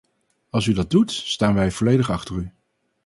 Als u dat doet, staan wij volledig achter u.